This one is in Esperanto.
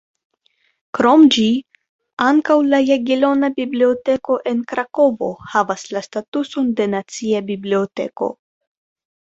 Krom ĝi, ankaŭ la Jagelona Biblioteko en Krakovo havas la statuson de "nacia biblioteko".